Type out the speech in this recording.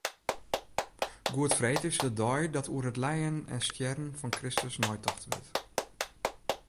Goedfreed is de dei dat oer it lijen en stjerren fan Kristus neitocht wurdt.